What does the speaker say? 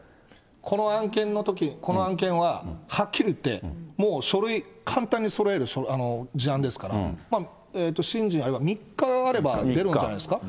この案件のとき、この案件は、はっきり言って、もう書類、簡単にそろえる事案ですから、３日あれば出るんじゃないですか。